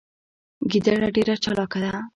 ګیدړه ډیره چالاکه ده